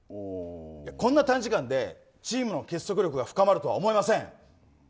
こんな短時間でチームの結束が深まるとも思えません。